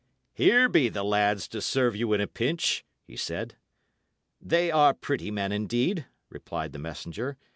"Here be the lads to serve you in a pinch," he said. "They are pretty men, indeed," replied the messenger.